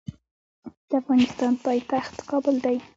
د افغانستان پایتخت کابل دی.